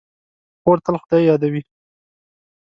خور تل خدای یادوي.